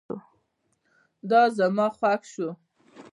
دا زما خوښ شو